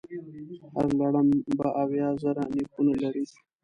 هر لړم به اویا زره نېښونه لري.